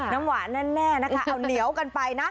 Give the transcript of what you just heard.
น้ำหวานแน่นะคะเอาเหนียวกันไปนะ